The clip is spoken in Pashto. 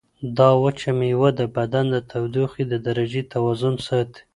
دا وچه مېوه د بدن د تودوخې د درجې توازن ساتي.